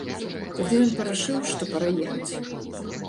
Тады ён парашыў, што пара ехаць.